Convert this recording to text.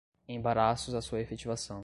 embaraços à sua efetivação